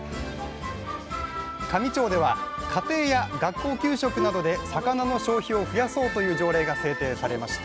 香美町では家庭や学校給食などで魚の消費を増やそうという条例が制定されました。